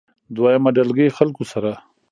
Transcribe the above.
دويمه ډلګۍ خلکو سره